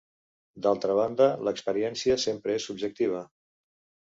D'altra banda, l'experiència sempre és subjectiva.